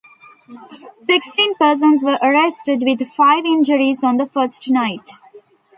Sixteen persons were arrested, with five injuries on the first night.